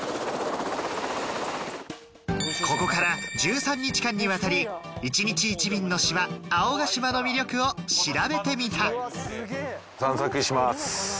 ここから１３日間にわたり１日１便の島青ヶ島の魅力を調べてみた探索します。